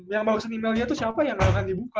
yang baru saja emailnya itu siapa yang akan dibuka